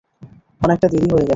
অনেকটা দেরি হয়ে গেছে!